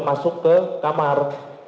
masuk ke kamar